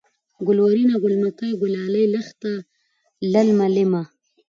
گلورينه ، گل مکۍ ، گلالۍ ، لښته ، للمه ، لېمه